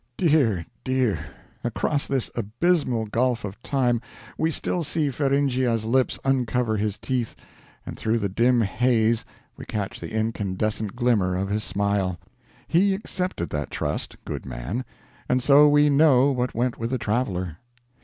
Dear, dear, across this abyssmal gulf of time we still see Feringhea's lips uncover his teeth, and through the dim haze we catch the incandescent glimmer of his smile. He accepted that trust, good man; and so we know what went with the traveler.